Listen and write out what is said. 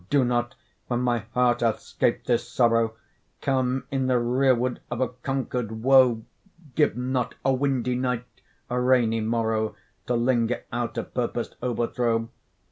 do not, when my heart hath 'scap'd this sorrow, Come in the rearward of a conquer'd woe; Give not a windy night a rainy morrow, To linger out a purpos'd overthrow.